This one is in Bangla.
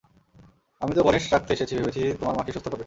আমি তো গনেশ রাখতে এসেছি, ভেবেছি, তোমার মাকে সুস্থ করবে!